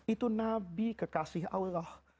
itu nabi kekasih allah